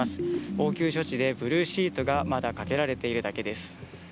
応急処置でブルーシートがまだかけられているだけです。